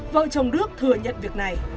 vợ chồng đức thừa nhận việc này